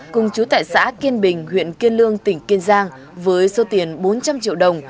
cùng chú tại xã kiên bình huyện kiên lương tỉnh kiên giang với số tiền bốn trăm linh triệu đồng